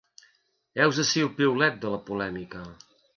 Heus ací el piulet de la polèmica.